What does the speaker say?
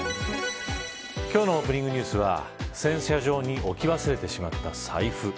今日のオープングニュースは洗車場に置き忘れてしまった財布。